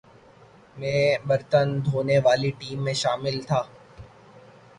میں برتن دھونے والی ٹیم میں شامل تھا